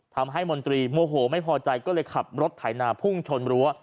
ทำให้มนตรีโมโหไม่พอใจก็เลยขับรถถ่ายหน้าพุ่งชนรั้ว